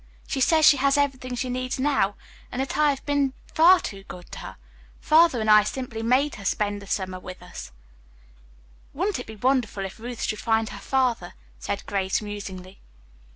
She says she has everything she needs now, and that I have been far too good to her. Father and I simply made her spend the summer with us." "Wouldn't it be wonderful if Ruth should find her father?" said Grace musingly.